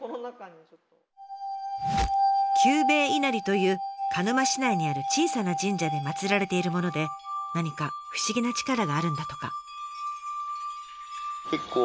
久兵衛稲荷という鹿沼市内にある小さな神社で祭られているもので何か不思議な力があるんだとか。